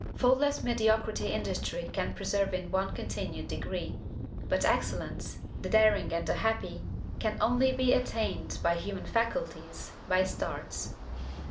Faultless mediocrity industry can preserve in one continued degree; but excellence, the daring and the happy, can only be attained, by human faculties, by starts.